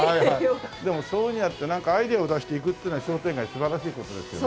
でもそういうふうにやってなんかアイデアを出していくっていうのは商店街素晴らしい事ですよね。